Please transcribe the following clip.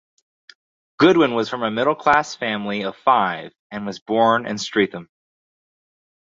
Goodwin was from a middle-class family of five and was born in Streatham.